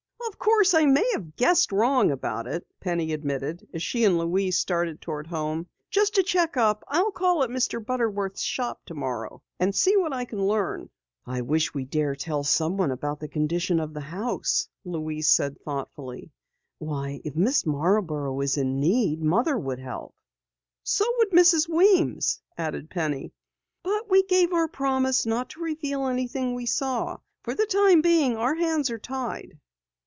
"Of course, I may have guessed wrong about it," Penny admitted as she and Louise started toward home. "Just to check up, I'll call at Mr. Butterworth's shop tomorrow and see what I can learn." "I wish we dared tell someone about the condition of the house," Louise said thoughtfully. "Why, if Mrs. Marborough is in need, Mother would help." "So would Mrs. Weems," added Penny. "But we gave our promise not to reveal anything we saw. For the time being, our hands are tied."